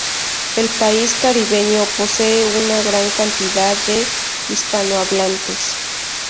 El país caribeño posee una gran cantidad de hispanohablantes.